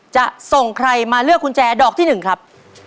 จะส่งใครมาเลือกกุญแจดอกที่๑ครับ